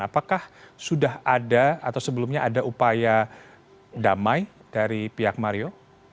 apakah sudah ada atau sebelumnya ada upaya damai dari pihak mario